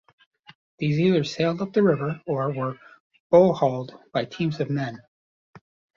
These either sailed up the river, or were bow-hauled by teams of men.